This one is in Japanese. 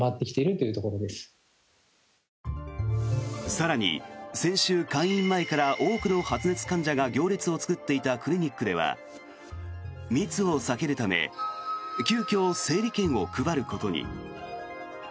更に、先週、開院前から多くの発熱患者が行列を作っていたクリニックでは密を避けるため急きょ、整理券を配ることに。